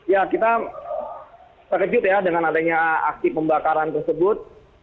ya kita terkejut ya dengan adanya aksi pembakaran tersebut